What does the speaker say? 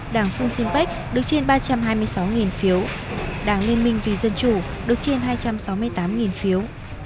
đảng fun simpac được trên ba trăm hai mươi sáu phiếu đảng liên minh vì dân chủ được trên hai trăm sáu mươi tám phiếu